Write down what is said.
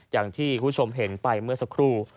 อย่างที่คุณผู้ชมเห็นไปเมื่อสักครู่